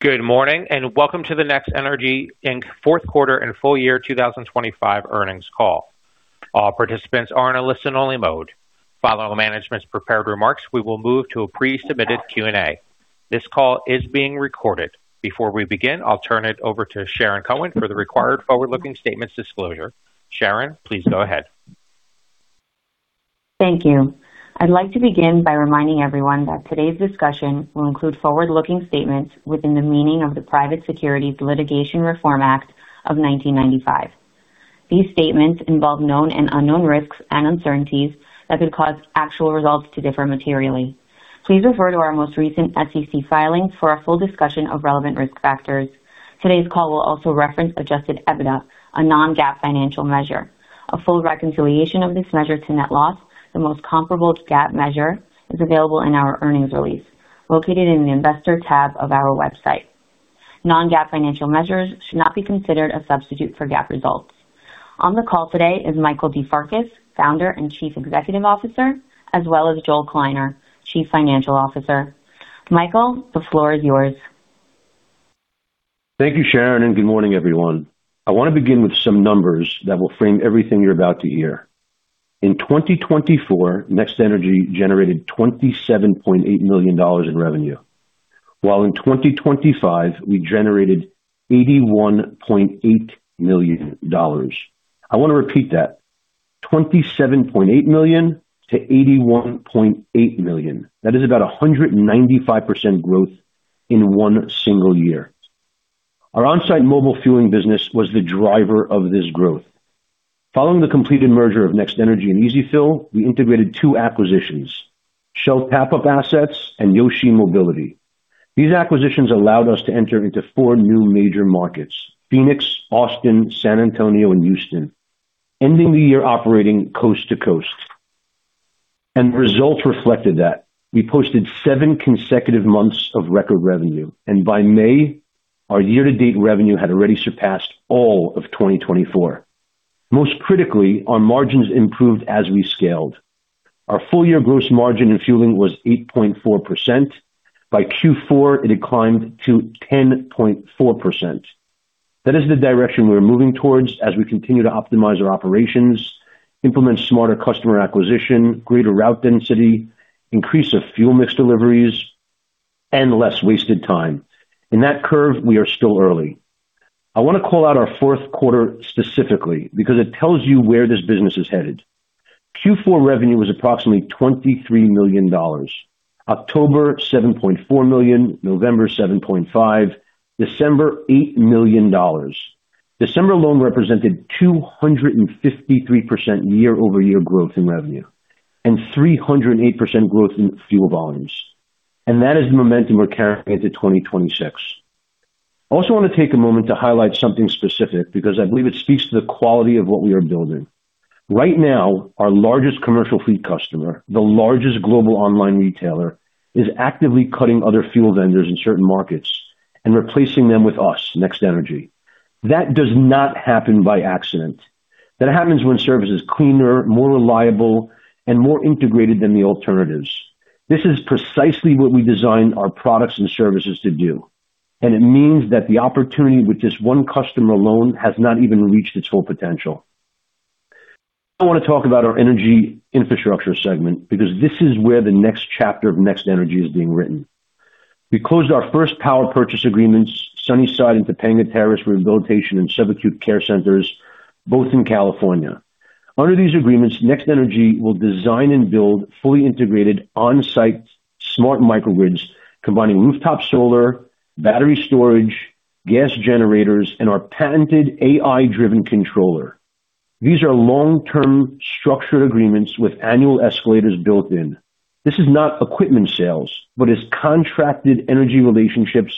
Good morning, and welcome to the NextNRG, Inc. Fourth Quarter and Full year 2025 Earnings Call. All participants are in a listen-only mode. Following the management's prepared remarks, we will move to a pre-submitted Q&A. This call is being recorded. Before we begin, I'll turn it over to Sharon Cohen for the required forward-looking statements disclosure. Sharon, please go ahead. Thank you. I'd like to begin by reminding everyone that today's discussion will include forward-looking statements within the meaning of the Private Securities Litigation Reform Act of 1995. These statements involve known and unknown risks and uncertainties that could cause actual results to differ materially. Please refer to our most recent SEC filings for a full discussion of relevant risk factors. Today's call will also reference Adjusted EBITDA, a non-GAAP financial measure. A full reconciliation of this measure to net loss, the most comparable GAAP measure, is available in our earnings release located in the Investor tab of our website. Non-GAAP financial measures should not be considered a substitute for GAAP results. On the call today is Michael Farkas, Founder and Chief Executive Officer, as well as Joel Kleiner, Chief Financial Officer. Michael, the floor is yours. Thank you, Sharon, and good morning, everyone. I want to begin with some numbers that will frame everything you're about to hear. In 2024, NextNRG generated $27.8 million in revenue, while in 2025, we generated $81.8 million. I want to repeat that. $27.8 million-$81.8 million. That is about 195% growth in one single year. Our on-site mobile fueling business was the driver of this growth. Following the completed merger of NextNRG and EzFill, we integrated two acquisitions, Shell Top Up Assets and Yoshi Mobility. These acquisitions allowed us to enter into four new major markets, Phoenix, Austin, San Antonio, and Houston, ending the year operating coast to coast. The results reflected that. We posted seven consecutive months of record revenue, and by May, our year-to-date revenue had already surpassed all of 2024. Most critically, our margins improved as we scaled. Our full-year gross margin in fueling was 8.4%. By Q4, it had climbed to 10.4%. That is the direction we are moving towards as we continue to optimize our operations, implement smarter customer acquisition, greater route density, increase of fuel mix deliveries, and less wasted time. In that curve, we are still early. I want to call out our fourth quarter specifically because it tells you where this business is headed. Q4 revenue was approximately $23 million. October, $7.4 million. November, $7.5 million. December, $8 million. December alone represented 253% year-over-year growth in revenue and 308% growth in fuel volumes. That is the momentum we're carrying into 2026. I also want to take a moment to highlight something specific because I believe it speaks to the quality of what we are building. Right now, our largest commercial fleet customer, the largest global online retailer, is actively cutting other fuel vendors in certain markets and replacing them with us, NextNRG. That does not happen by accident. That happens when service is cleaner, more reliable, and more integrated than the alternatives. This is precisely what we designed our products and services to do, and it means that the opportunity with this one customer alone has not even reached its full potential. I want to talk about our Energy Infrastructure segment because this is where the next chapter of NextNRG is being written. We closed our first power purchase agreements, Sunnyside and Topanga Terrace Rehabilitation and Subacute Care Centers, both in California. Under these agreements, NextNRG will design and build fully integrated on-site smart microgrids combining rooftop solar, battery storage, gas generators, and our patented AI-driven controller. These are long-term structured agreements with annual escalators built in. This is not equipment sales, but is contracted energy relationships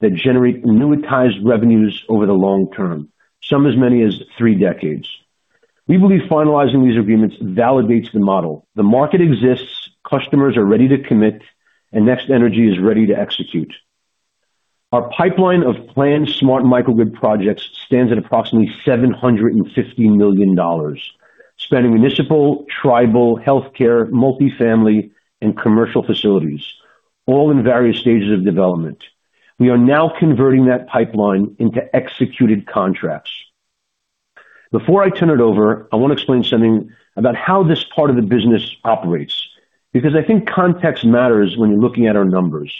that generate annuitized revenues over the long term, some as many as three decades. We believe finalizing these agreements validates the model. The market exists, customers are ready to commit, and NextNRG is ready to execute. Our pipeline of planned smart microgrid projects stands at approximately $750 million, spanning municipal, tribal, healthcare, multi-family, and commercial facilities, all in various stages of development. We are now converting that pipeline into executed contracts. Before I turn it over, I want to explain something about how this part of the business operates, because I think context matters when you're looking at our numbers.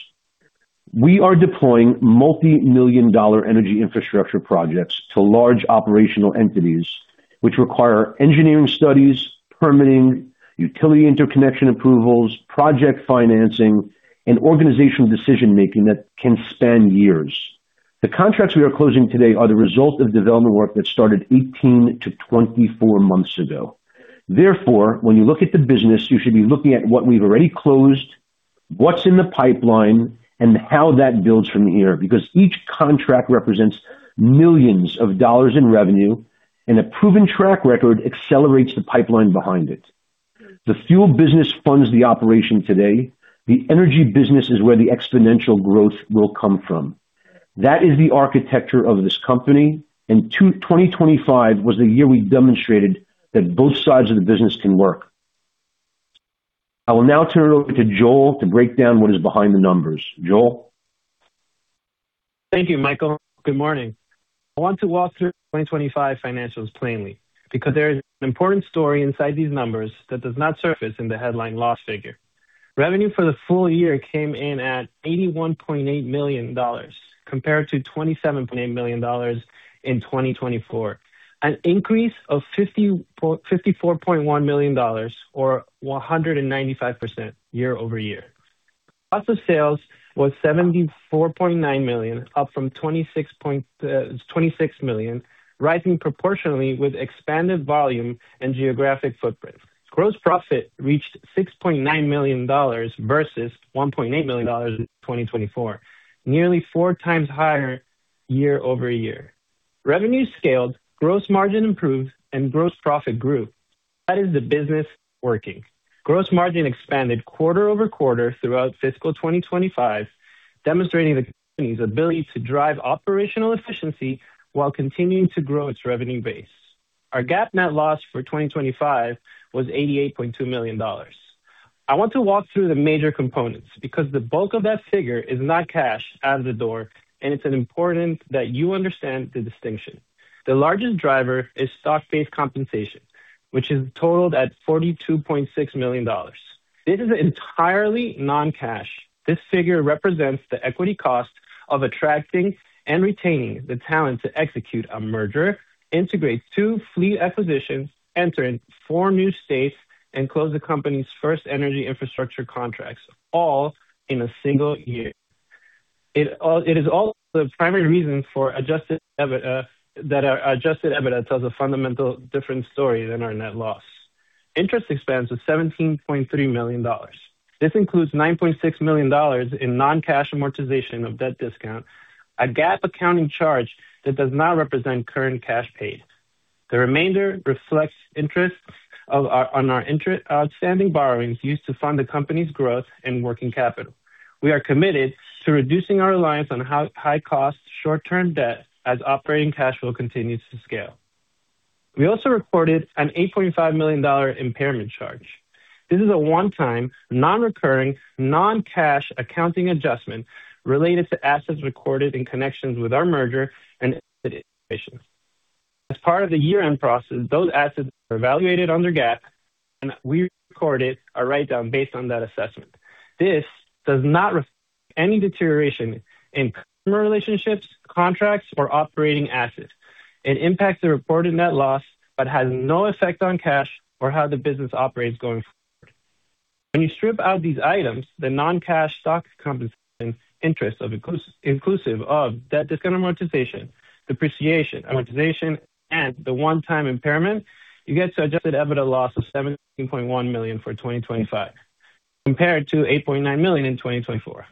We are deploying multi-million dollar energy infrastructure projects to large operational entities, which require engineering studies, permitting, utility interconnection approvals, project financing, and organizational decision-making that can span years. The contracts we are closing today are the result of development work that started 18-24 months ago. Therefore, when you look at the business, you should be looking at what we've already closed, what's in the pipeline, and how that builds from here, because each contract represents millions of dollars in revenue and a proven track record accelerates the pipeline behind it. The fuel business funds the operation today. The energy business is where the exponential growth will come from. That is the architecture of this company, and 2025 was the year we demonstrated that both sides of the business can work. I will now turn it over to Joel to break down what is behind the numbers. Joel? Thank you, Michael. Good morning. I want to walk through 2025 financials plainly, because there is an important story inside these numbers that does not surface in the headline loss figure. Revenue for the full year came in at $81.8 million, compared to $27.8 million in 2024, an increase of $54.1 million or 195% year-over-year. Cost of sales was $74.9 million, up from $26 million, rising proportionally with expanded volume and geographic footprint. Gross profit reached $6.9 million versus $1.8 million in 2024, nearly four times higher year-over-year. Revenue scaled, gross margin improved, and gross profit grew. That is the business working. Gross margin expanded quarter-over-quarter throughout fiscal 2025, demonstrating the company's ability to drive operational efficiency while continuing to grow its revenue base. Our GAAP net loss for 2025 was $88.2 million. I want to walk through the major components, because the bulk of that figure is not cash out of the door, and it's important that you understand the distinction. The largest driver is stock-based compensation, which is totaled at $42.6 million. This is entirely non-cash. This figure represents the equity cost of attracting and retaining the talent to execute a merger, integrate two fleet acquisitions, enter in four new states, and close the company's first energy infrastructure contracts, all in a single year. It is also the primary reason for Adjusted EBITDA, that our Adjusted EBITDA tells a fundamentally different story than our net loss. Interest expense was $17.3 million. This includes $9.6 million in non-cash amortization of debt discount, a GAAP accounting charge that does not represent current cash paid. The remainder reflects interest on our outstanding borrowings used to fund the company's growth and working capital. We are committed to reducing our reliance on high cost, short-term debt as operating cash flow continues to scale. We also recorded an $8.5 million impairment charge. This is a one-time, non-recurring, non-cash accounting adjustment related to assets recorded in connection with our merger and acquisition. As part of the year-end process, those assets are evaluated under GAAP, and we recorded a write-down based on that assessment. This does not reflect any deterioration in customer relationships, contracts, or operating assets. It impacts the reported net loss but has no effect on cash or how the business operates going forward. When you strip out these items, the non-cash stock compensation, interest inclusive of debt discount amortization, depreciation, amortization, and the one-time impairment, you get to Adjusted EBITDA loss of $17.1 million for 2025, compared to $8.9 million in 2024.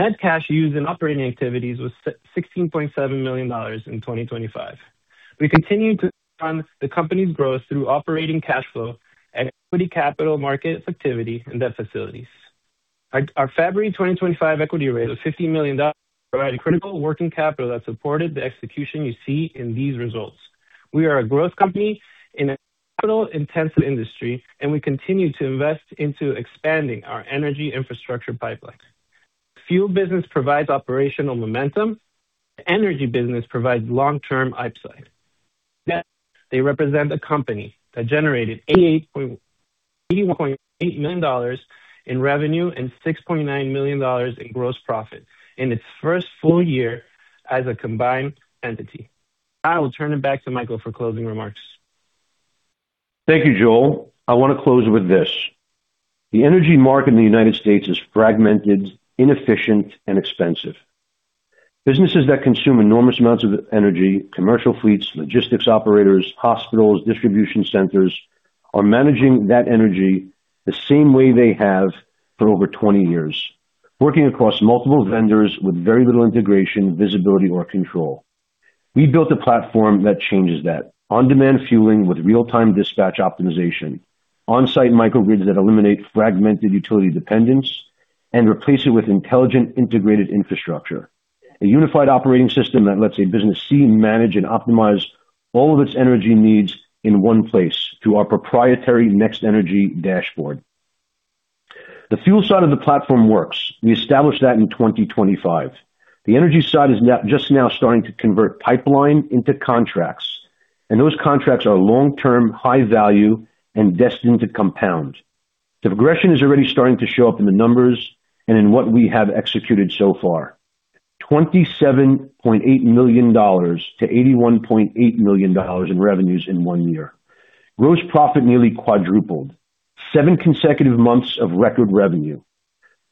Net cash used in operating activities was $16.7 million in 2025. We continue to fund the company's growth through operating cash flow and equity capital market activity and debt facilities. Our February 2025 equity raise of $50 million provided critical working capital that supported the execution you see in these results. We are a growth company in a capital-intensive industry, and we continue to invest into expanding our energy infrastructure pipeline. The fuel business provides operational momentum. The energy business provides long-term upside. Yet they represent a company that generated $88.8 million in revenue and $6.9 million in gross profit in its first full year as a combined entity. Now I will turn it back to Michael for closing remarks. Thank you, Joel. I want to close with this. The energy market in the United States is fragmented, inefficient, and expensive. Businesses that consume enormous amounts of energy, commercial fleets, logistics operators, hospitals, distribution centers, are managing that energy the same way they have for over 20 years, working across multiple vendors with very little integration, visibility, or control. We built a platform that changes that. On-demand fueling with real-time dispatch optimization, on-site microgrids that eliminate fragmented utility dependence and replace it with intelligent, integrated infrastructure. A unified operating system that lets a business see, manage, and optimize all of its energy needs in one place through our proprietary NextNRG Dashboard. The fuel side of the platform works. We established that in 2025. The energy side is just now starting to convert pipeline into contracts, and those contracts are long-term, high value, and destined to compound. The progression is already starting to show up in the numbers and in what we have executed so far. $27.8 million-$81.8 million in revenues in one year. Gross profit nearly quadrupled. Seven consecutive months of record revenue.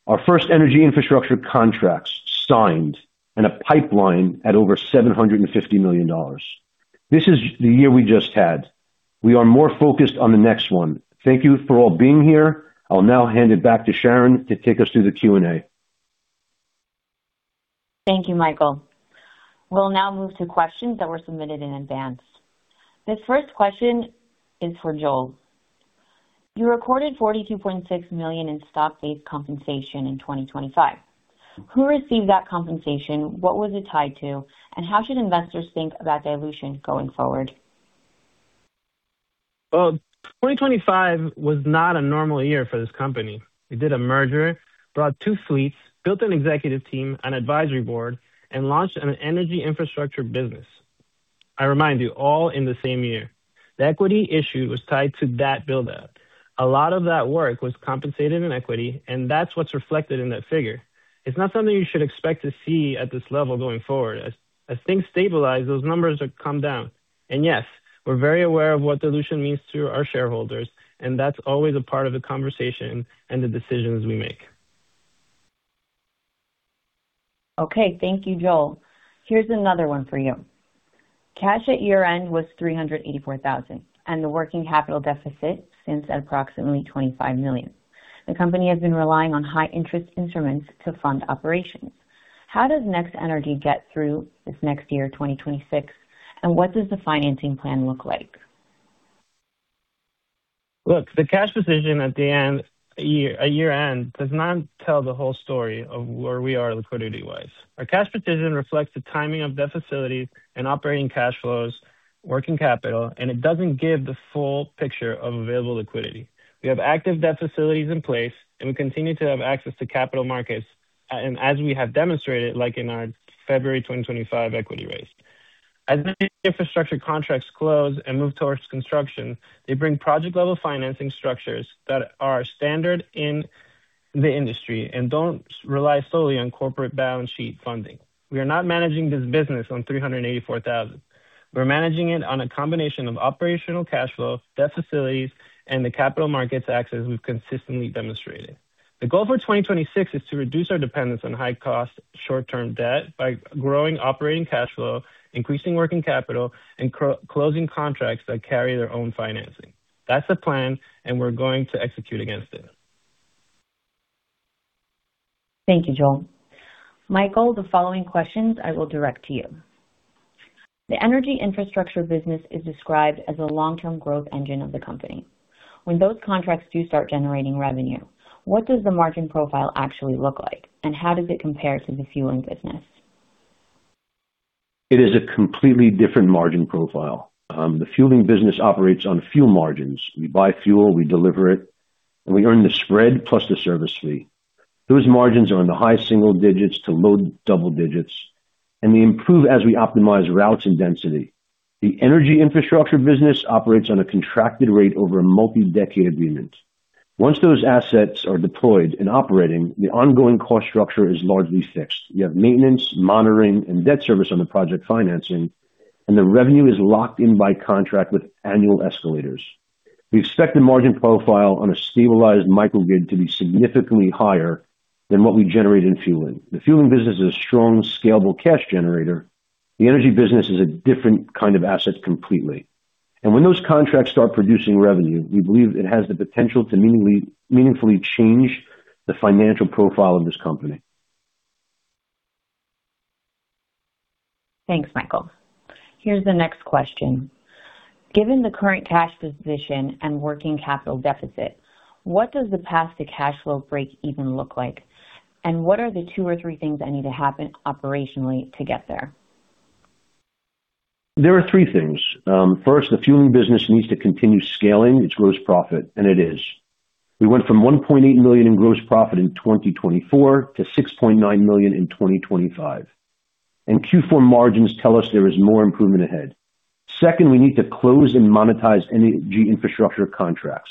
Our first energy infrastructure contracts signed and a pipeline at over $750 million. This is the year we just had. We are more focused on the next one. Thank you for all being here. I will now hand it back to Sharon to take us through the Q&A. Thank you, Michael. We'll now move to questions that were submitted in advance. This first question is for Joel. You recorded $42.6 million in stock-based compensation in 2025. Who received that compensation? What was it tied to, and how should investors think about dilution going forward? Well, 2025 was not a normal year for this company. We did a merger, brought two fleets, built an executive team, an advisory board, and launched an energy infrastructure business. I remind you, all in the same year. The equity issue was tied to that buildup. A lot of that work was compensated in equity, and that's what's reflected in that figure. It's not something you should expect to see at this level going forward. As things stabilize, those numbers will come down. Yes, we're very aware of what dilution means to our shareholders, and that's always a part of the conversation and the decisions we make. Okay, thank you, Joel. Here's another one for you. Cash at year-end was $384,000, and the working capital deficit sits at approximately $25 million. The company has been relying on high-interest instruments to fund operations. How does NextNRG get through this next year, 2026, and what does the financing plan look like? Look, the cash position at year-end does not tell the whole story of where we are liquidity-wise. Our cash position reflects the timing of debt facilities and operating cash flows, working capital, and it doesn't give the full picture of available liquidity. We have active debt facilities in place, and we continue to have access to capital markets, and as we have demonstrated, like in our February 2025 equity raise. As the infrastructure contracts close and move towards construction, they bring project-level financing structures that are standard in the industry and don't rely solely on corporate balance sheet funding. We are not managing this business on $384,000. We're managing it on a combination of operational cash flow, debt facilities, and the capital markets access we've consistently demonstrated. The goal for 2026 is to reduce our dependence on high-cost, short-term debt by growing operating cash flow, increasing working capital, and closing contracts that carry their own financing. That's the plan, and we're going to execute against it. Thank you, Joel. Michael, the following questions I will direct to you. The energy infrastructure business is described as a long-term growth engine of the company. When those contracts do start generating revenue, what does the margin profile actually look like, and how does it compare to the fueling business? It is a completely different margin profile. The fueling business operates on fuel margins. We buy fuel, we deliver it, and we earn the spread plus the service fee. Those margins are in the high single digits to low double digits, and we improve as we optimize routes and density. The energy infrastructure business operates on a contracted rate over a multi-decade agreement. Once those assets are deployed and operating, the ongoing cost structure is largely fixed. You have maintenance, monitoring, and debt service on the project financing, and the revenue is locked in by contract with annual escalators. We expect the margin profile on a stabilized microgrid to be significantly higher than what we generate in fueling. The fueling business is a strong, scalable cash generator. The energy business is a different kind of asset completely. When those contracts start producing revenue, we believe it has the potential to meaningfully change the financial profile of this company. Thanks, Michael. Here's the next question. Given the current cash position and working capital deficit, what does the path to cash flow break even look like? And what are the two or three things that need to happen operationally to get there? There are three things. First, the fueling business needs to continue scaling its gross profit, and it is. We went from $1.8 million in gross profit in 2024 to $6.9 million in 2025. Q4 margins tell us there is more improvement ahead. Second, we need to close and monetize energy infrastructure contracts.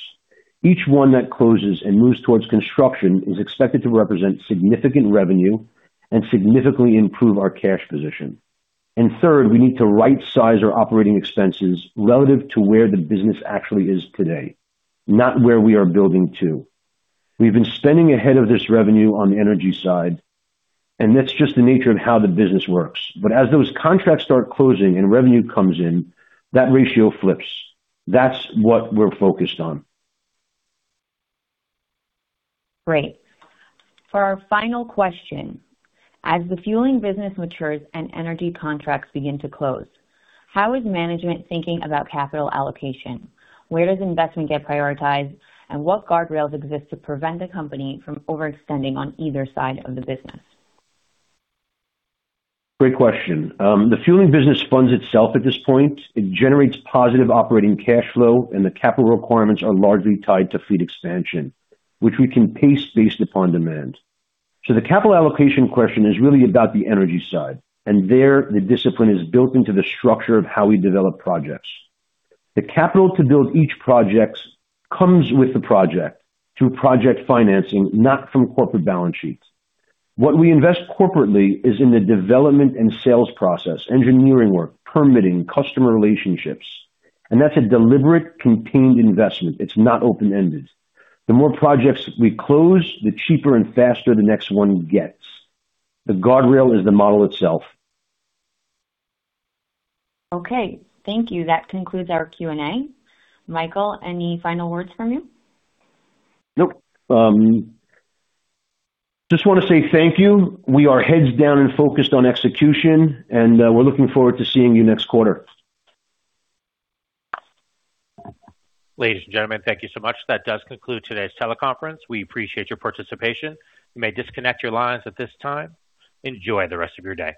Each one that closes and moves towards construction is expected to represent significant revenue and significantly improve our cash position. Third, we need to rightsize our operating expenses relative to where the business actually is today, not where we are building to. We've been spending ahead of this revenue on the energy side, and that's just the nature of how the business works. As those contracts start closing and revenue comes in, that ratio flips. That's what we're focused on. Great. For our final question: as the fueling business matures and energy contracts begin to close, how is management thinking about capital allocation? Where does investment get prioritized, and what guardrails exist to prevent the company from overextending on either side of the business? Great question. The fueling business funds itself at this point. It generates positive operating cash flow, and the capital requirements are largely tied to fleet expansion, which we can pace based upon demand. The capital allocation question is really about the energy side, and there, the discipline is built into the structure of how we develop projects. The capital to build each project comes with the project through project financing, not from corporate balance sheets. What we invest corporately is in the development and sales process, engineering work, permitting, customer relationships, and that's a deliberate, contained investment. It's not open-ended. The more projects we close, the cheaper and faster the next one gets. The guardrail is the model itself. Okay. Thank you. That concludes our Q&A. Michael, any final words from you? Nope. Just want to say thank you. We are heads down and focused on execution, and we're looking forward to seeing you next quarter. Ladies and gentlemen, thank you so much. That does conclude today's teleconference. We appreciate your participation. You may disconnect your lines at this time. Enjoy the rest of your day.